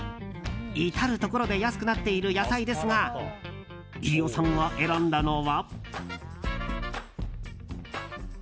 至るところで安くなっている野菜ですが飯尾さんが選んだのは。